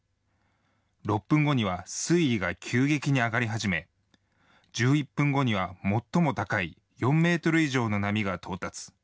６分後には水位が急激に上がり始め、１１分後には最も高い４メートル以上の波が到達。